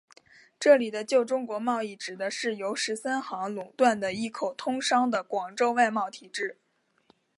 这里的旧中国贸易指的是由十三行垄断的一口通商的广州外贸体制。